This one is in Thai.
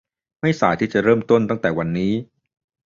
ไม่สายที่จะเริ่มต้นตั้งแต่วันนี้